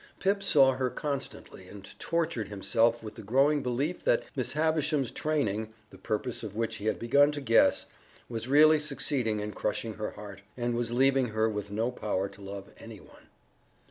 Pip saw her constantly and tortured himself with the growing belief that Miss Havisham's training (the purpose of which he had begun to guess) was really succeeding in crushing her heart, and was leaving her with no power to love any one.